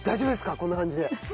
こんな感じで。